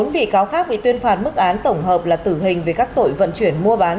một mươi bị cáo khác bị tuyên phạt mức án tổng hợp là tử hình về các tội vận chuyển mua bán